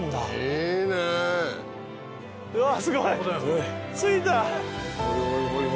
うわっすごい！